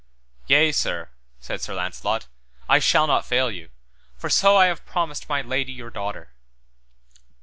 Yea, sir, said Sir Launcelot, I shall not fail you, for so I have promised my lady your daughter.